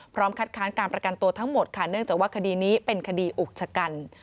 คัดค้านการประกันตัวทั้งหมดค่ะเนื่องจากว่าคดีนี้เป็นคดีอุกชะกัน